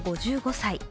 ５５歳。